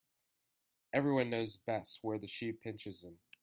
Every one knows best where the shoe pinches him.